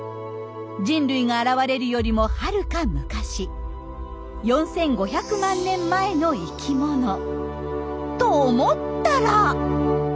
人類が現れるよりもはるか昔４，５００万年前の生きものと思ったら！